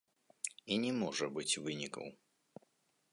І не можа быць вынікаў.